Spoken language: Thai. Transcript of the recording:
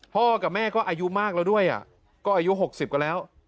พ่อกับแม่ก็อายุมากแล้วด้วยก็อายุ๖๐กว่าแล้ว